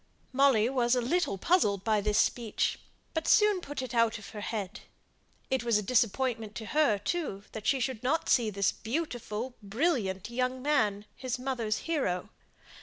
Molly was a little puzzled by this speech, but soon put it out of her head. It was a disappointment to her, too, that she should not see this beautiful, brilliant young man, his mother's hero.